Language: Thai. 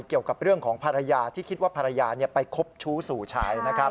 เกี่ยวกับเรื่องของภรรยาที่คิดว่าภรรยาไปคบชู้สู่ชายนะครับ